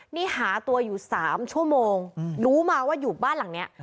นี่หาตัวอยู่๓ชั่วโมงรู้มาว่าอยู่บ้านหลังนี้